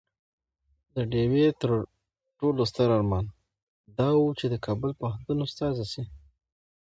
د ډيوې تر ټولو ستر ارمان دا وو چې د کابل پوهنتون استاده شي